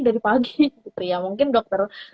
dari pagi gitu ya mungkin dokter